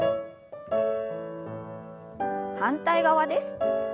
反対側です。